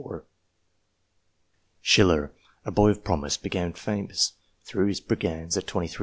Schiller, a boy of promise, became famous through his " Brigands " at 23.